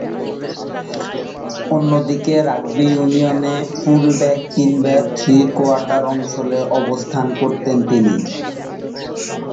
অন্যদিকে, রাগবি ইউনিয়নে full back কিংবা থ্রি কোয়ার্টার অঞ্চলে অবস্থান করতেন তিনি।